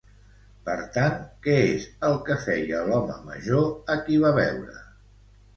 Per tant, què és el que feia l'home major a qui va veure?